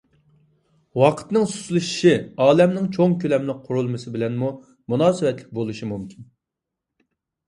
ۋاقىتنىڭ سۇسلىشىشى ئالەمنىڭ چوڭ كۆلەملىك قۇرۇلمىسى بىلەنمۇ مۇناسىۋەتلىك بولۇشى مۇمكىن.